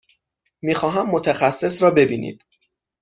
می خواهم متخصص را ببینید.